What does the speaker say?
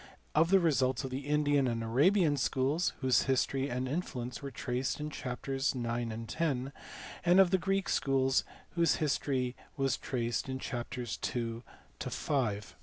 of the results of the Indian and ? Arabian schools (whose history and influence were traced in chapters ix. and x.) and of the Greek schools (whose history was traced in chapters u. to v.).